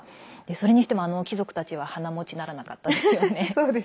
それにしても、あの貴族たちは鼻持ちならなかったですよね。